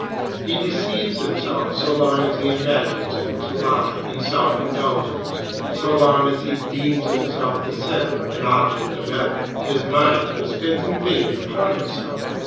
He deceives himself so long as he imagines it to lie in self indulgence, so long as he deems himself the center and object of effort. His mind is spent in vain upon itself.